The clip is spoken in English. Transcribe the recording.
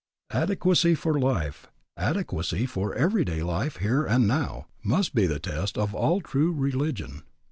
Adequacy for life, adequacy for everyday life here and now, must be the test of all true religion.